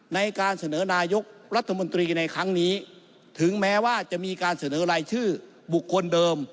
ในการเสนอนายกรัฐมนตรีในครั้งนี้ถึงแม้ว่าจะมีการเสนอรายชื่อบุคคลเดิม